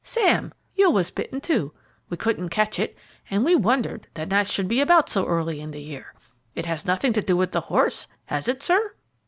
Sam, you was bitten too. We couldn't catch it, and we wondered that gnats should be about so early in the year. It has nothing to do with the horse, has it, sir?"